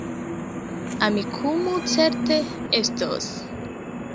Amikumu certe estos